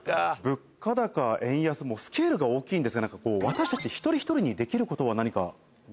物価高円安もスケールが大きいんですが私たち一人一人にできることは何かございますか？